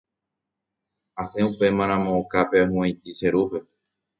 Asẽ upémaramo okápe ahuvaitĩ che rúpe.